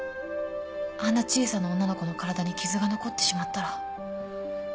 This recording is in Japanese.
あんな小さな女の子の体に傷が残ってしまったら。